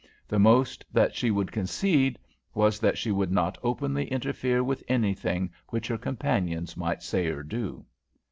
The most that she would concede was that she would not openly interfere with anything which her companions might say or do.